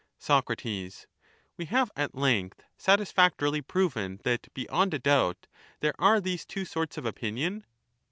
Soc, We have at length satisfactorily proven that beyond a doubt there are these two sorts of opinion